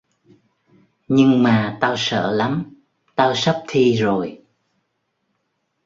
Nhưng mà tao sợ lắm Tao sắp thi rồi